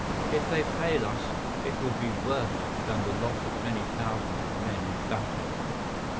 If they fail us it will be worse than the loss of many thousands of men in battle.